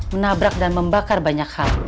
menabrak dan membakar banyak hal